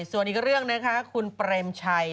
ส่วนอีกเรื่องนะคะคุณเปรมชัย